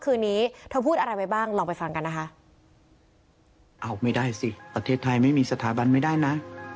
เอาไม่ได้สิประเทศไทยเวลาไม่มีสถาบันไม่ได้นะ